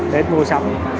đến mua sắm